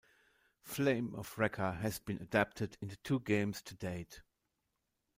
"Flame of Recca" has been adapted into two games to date.